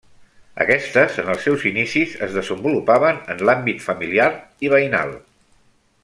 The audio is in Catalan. Aquestes, en els seus inicis es desenvolupaven en l'àmbit familiar i veïnal.